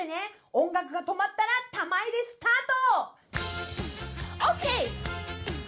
音楽が止まったら玉入れスタート！